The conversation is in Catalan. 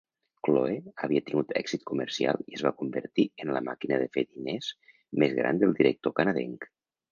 "Chloe" havia tingut èxit comercial i es va convertir en la màquina de fer diners més gran del director canadenc.